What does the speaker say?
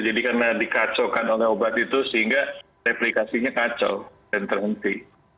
jadi karena dikacaukan oleh obat itu sehingga replikasinya kacau dan terhenti